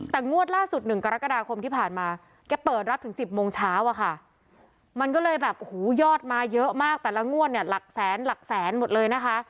แต่งวดล่าสุด๑กรกฎาคมที่ผ่านมาแกเปิดรับถึง๑๐โมงเช้าอะค่ะมันก็เลยแบบโอ้โหยอดมาเยอะมากแต่ละงวดเนี่ยหลักแสนหลักแสนหมดเลยนะคะ